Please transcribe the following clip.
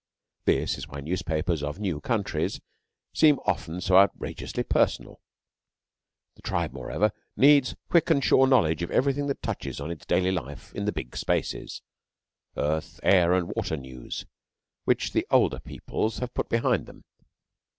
That is why newspapers of new countries seem often so outrageously personal. The tribe, moreover, needs quick and sure knowledge of everything that touches on its daily life in the big spaces earth, air, and water news which the Older Peoples have put behind them.